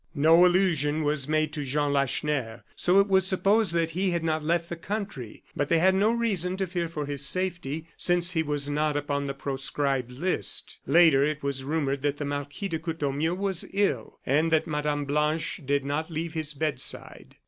No allusion was made to Jean Lacheneur, so it was supposed that he had not left the country; but they had no reason to fear for his safety, since he was not upon the proscribed list. Later, it was rumored that the Marquis de Courtornieu was ill, and that Mme. Blanche did not leave his bedside.